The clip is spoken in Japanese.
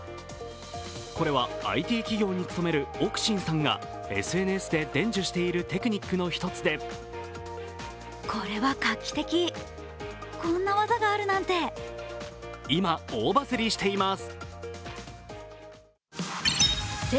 これはＩＴ企業に勤めるオクシンさんがＳＮＳで伝授しているテクニックの一つで今、大バズりしています。